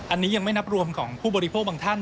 อันนี้ยังไม่นับรวมของผู้บริโภคบางท่าน